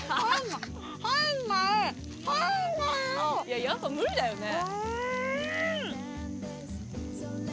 やっぱ無理だよね。